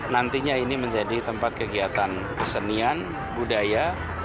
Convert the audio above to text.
nantinya ini menjadi tempat kegiatan kesenian budaya